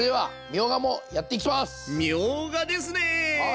みょうがですね！